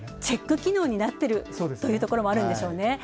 チェック機能になってるというところもあるんでしょうね。